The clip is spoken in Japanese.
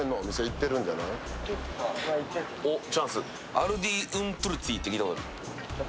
アルデイ・ウンプルツィって聞いたことある？